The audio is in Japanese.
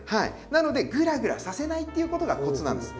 なのでグラグラさせないっていうことがコツなんです。